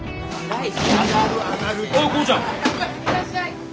はい。